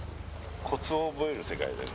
コツを覚える世界だよ。